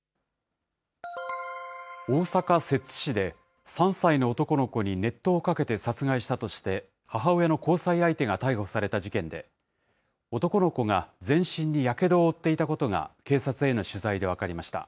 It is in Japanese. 大阪・摂津市で、３歳の男の子に熱湯をかけて殺害したとして、母親の交際相手が逮捕された事件で、男の子が全身にやけどを負っていたことが警察への取材で分かりました。